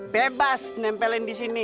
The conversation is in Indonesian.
bebas nempelin di sini